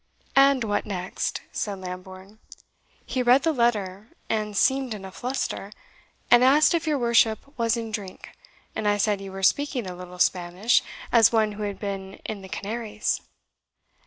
"And what next?" said Lambourne. "He read the letter, and seemed in a fluster, and asked if your worship was in drink; and I said you were speaking a little Spanish, as one who had been in the Canaries."